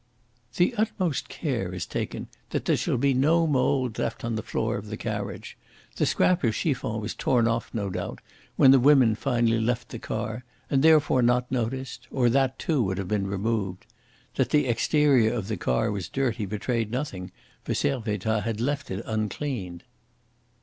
The utmost care is taken that there shall be no mould left on the floor of the carriage. The scrap of chiffon was torn off, no doubt, when the women finally left the car, and therefore not noticed, or that, too, would have been removed. That the exterior of the car was dirty betrayed nothing, for Servettaz had left it uncleaned."